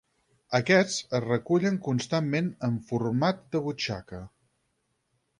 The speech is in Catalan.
Aquests es recullen constantment en format de butxaca.